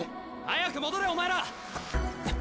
早く戻れお前ら！